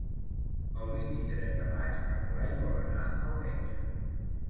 El vint-i-tres de maig en Blai vol anar al metge.